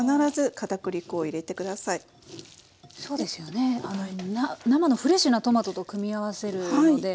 そうですよね生のフレッシュなトマトと組み合わせるので。